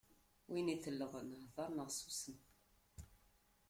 Win itellɣen, hdeṛ neɣ ssusem.